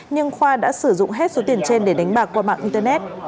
nhưng khoa đã sử dụng hết số tiền trên để đánh bạc qua mạng internet